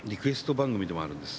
番組でもあるんです。